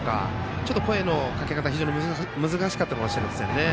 ちょっと声のかけ方が難しかったかもしれませんね。